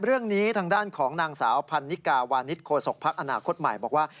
เรื่องนี้ทางด้านของนางสาวพันนิกาวานิสโคศกภักดิ์อนาคตใหม่บอกว่า